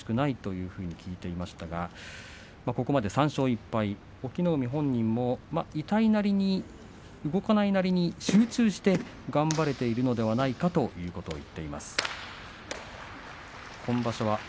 前左の膝が少し思わしくないというふうに聞いていましたがここまで３勝１敗隠岐の海本人も痛いなりに動かないなりに集中して頑張れているのではないかということを言っています。